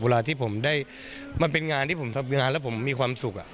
เวลาที่ผมได้มันเป็นงานที่ผมทำงานแล้วผมมีความสุข